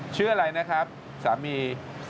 ชื่ออะไรนะครับสามี